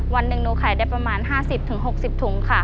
วันหนึ่งหนูขายได้ประมาณ๕๐๖๐ถุงค่ะ